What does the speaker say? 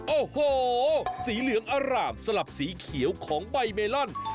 โอ้โหสีเหลืองอร่ามสลับสีเขียวของใบเมลอน